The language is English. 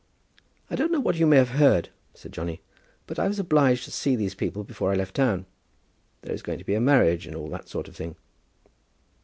"I don't know what you may have heard," said Johnny, "but I was obliged to see these people before I left town. There is going to be a marriage and all that sort of thing."